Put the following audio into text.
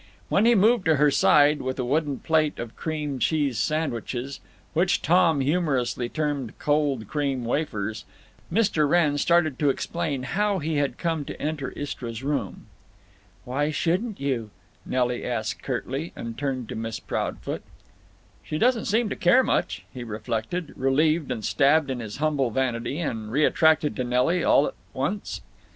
When he moved to her side with a wooden plate of cream cheese sandwiches (which Tom humorously termed "cold cream wafers") Mr. Wrenn started to explain how he had come to enter Istra's room. "Why shouldn't you?" Nelly asked, curtly, and turned to Miss Proudfoot. "She doesn't seem to care much," he reflected, relieved and stabbed in his humble vanity and reattracted to Nelly, all at once.